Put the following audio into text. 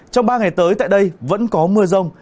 trong ba ngày tới tại đây vẫn có mưa rông